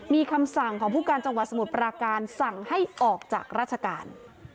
มีคำสั่งของผู้การจังหวัดสมุทรปราการสั่งให้ออกจากราชการ